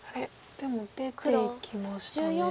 でも出ていきましたね。